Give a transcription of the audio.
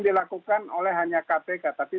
dilakukan oleh hanya kpk tapi